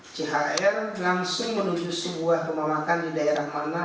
jhr langsung menuju sebuah pemakan di daerah mana